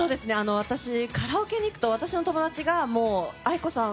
私、カラオケに行くと私の友達がａｉｋｏさん